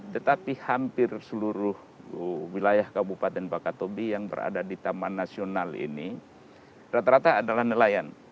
tetapi hampir seluruh wilayah kabupaten wakatobi yang berada di taman nasional ini rata rata adalah nelayan